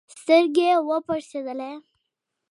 سترګي یې وپړسېدلې